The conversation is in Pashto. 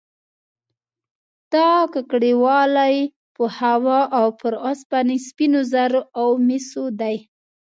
دا ککړوالی په هوا او پر اوسپنې، سپینو زرو او مسو دی